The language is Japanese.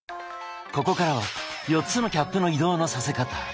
ここからは４つのキャップの移動のさせ方。